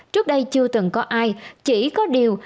trước đây chưa từng có ai chỉ có điều